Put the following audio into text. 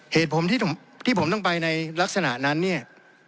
เหตุผลที่ผมต้องไปในลักษณะนั้นเนี่ย